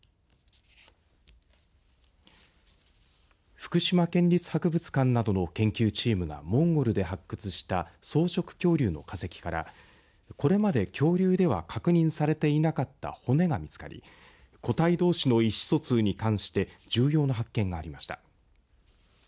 福島県立博物館などの研究チームがモンゴルで発掘した草食恐竜の化石からこれまで恐竜では確認されていなかった骨が見つかり個体どうしの意思疎通に関して重要な発見がありました。